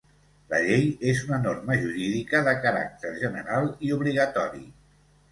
La llei és una norma jurídica de caràcter general i obligatori.